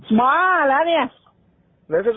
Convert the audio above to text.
มาแล้วเนี่ย